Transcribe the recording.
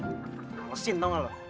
nalesin tau gak lo